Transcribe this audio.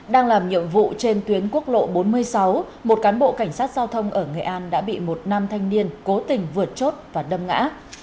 đang làm nhiệm vụ trên tuyến quốc lộ bốn mươi sáu một cán bộ cảnh sát giao thông ở nghệ an đã bị một nam thanh niên cố tình vượt chốt và đâm ngã